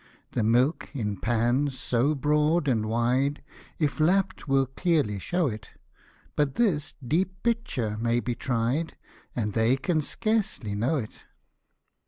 " The milk, in pans so broad and wide, If lapp'd, will clearly show it ; But this deep pitcher may be tried, And they can scarcely know it."